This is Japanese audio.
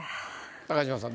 高島さん